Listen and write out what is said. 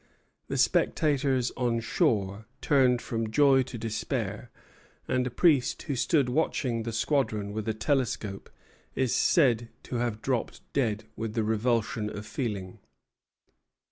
The spectators on shore turned from joy to despair; and a priest who stood watching the squadron with a telescope is said to have dropped dead with the revulsion of feeling.